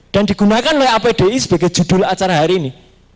dan digunakan oleh apdi sebagai judul acara hari ini